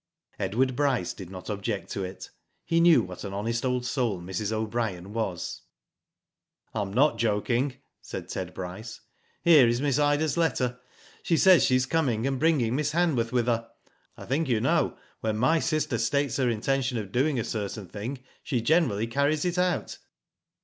Edward Bryce did not object to it. He knew what an honest old soul Mrs. O'Brien was. " I am not joking," said Ted Bryce. " Here is Miss Ida's letter. She says she is coming, and bringing Miss Hanworth with her. I think you know when my sister states her intention of doing a certain thing, she generally carries it out."